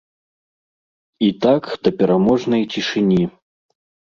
І так да пераможнай цішыні.